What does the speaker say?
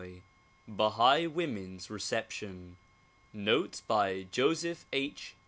Bahai Women's Reception. Notes by Joseph H.